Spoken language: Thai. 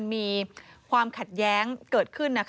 มีความขัดแย้งเกิดขึ้น